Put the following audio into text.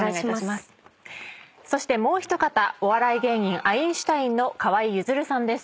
そしてもう一方お笑い芸人アインシュタインの河井ゆずるさんです。